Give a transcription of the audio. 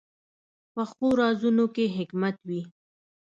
پخو رازونو کې حکمت وي